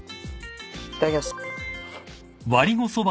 いただきます。